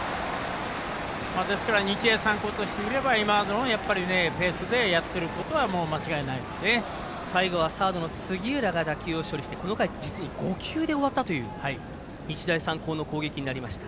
ですから日大三高としてみれば今のようなペースでやってることは最後はサードの杉浦が打球を処理してこの回、５球で終わったという日大三高の攻撃になりました。